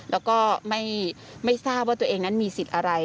แล้วก็ไม่ทราบว่าตัวเองนั้นมีสิทธิ์อะไร